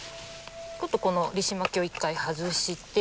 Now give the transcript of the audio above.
ちょっとこのリシマキアを一回外して。